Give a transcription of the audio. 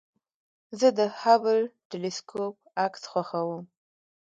زه د هبل ټېلسکوپ عکس خوښوم.